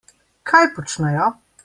Kaj počnejo?